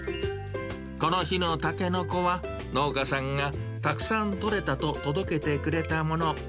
この日のタケノコは、農家さんがたくさん取れたと届けてくれたもの。